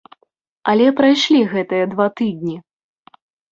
Але прайшлі гэтыя два тыдні.